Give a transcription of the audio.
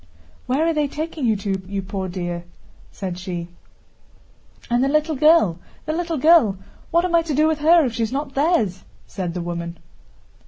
"Where are they taking you to, you poor dear?" said she. "And the little girl, the little girl, what am I to do with her if she's not theirs?" said the woman.